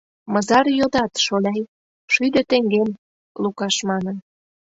«Мызар йодат, шоляй?» — «Шӱдӧ теҥгем», — Лукаш манын.